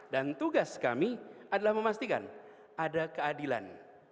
dan tugas kami adalah memastikan ada keadilan